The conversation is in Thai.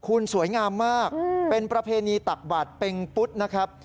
คุณสวยงามมากเป็นประเพณีตักบาทเป็งปุ๊ดนะครับ